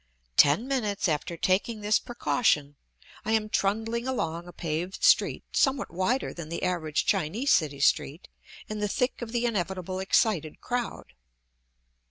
Ten minutes after taking this precaution I am trundling along a paved street, somewhat wider than the average Chinese city street, in the thick of the inevitable excited crowd.